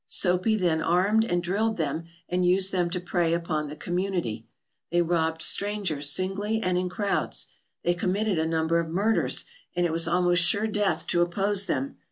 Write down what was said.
Soapy then armed and drilled them and used them to prey upon the community. They robbed strangers singly and in crowds. They committed a number of murders and it was almost sure death to oppose them.